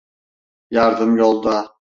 Yardım yolda.